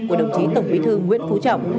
của đồng chí tổng bí thư nguyễn phú trọng